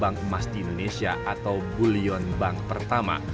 bank emas di indonesia atau bullyon bank pertama